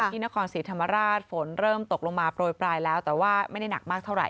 ที่นครศรีธรรมราชฝนเริ่มตกลงมาโปรยปลายแล้วแต่ว่าไม่ได้หนักมากเท่าไห